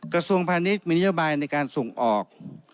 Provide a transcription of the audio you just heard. กระทรวงพาณิชย์มีนโยบายในการส่งออก